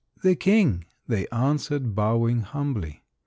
"The king," they answered, bowing humbly.